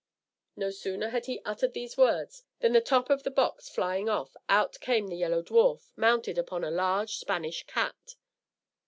No sooner had he uttered these words, than the top of the box flying off, out came the Yellow Dwarf, mounted upon a large Spanish cat.